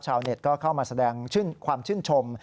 ชาวเน็ตก็เข้ามาแสดงความชื่นชม